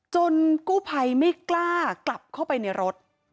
กู้ภัยไม่กล้ากลับเข้าไปในรถ